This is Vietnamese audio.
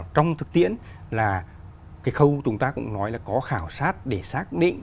trong thực tiễn là cái khâu chúng ta cũng nói là có khảo sát để xác định